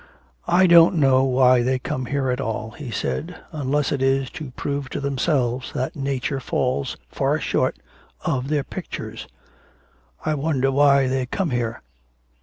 'I don't know why they come here at all,' he said, 'unless it be to prove to themselves that nature falls far short of their pictures. I wonder why they come here?